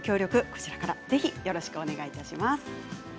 こちらからぜひよろしくお願いします。